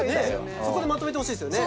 そこでまとめてほしいですよね。